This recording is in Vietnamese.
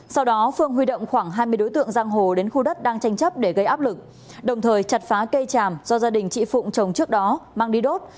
sau đó phương huy động khoảng hai mươi đối tượng giang hồ đến khu đất đang tranh chấp để gây áp lực đồng thời chặt phá cây tràm do gia đình chị phụng trồng trước đó mang đi đốt